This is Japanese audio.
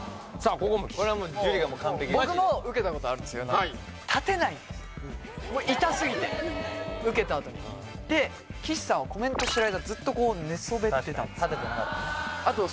僕も受けたことがあるんですよよなみねさんに受けたあとにで岸さんはコメントしてる間ずっとこう寝そべってたんです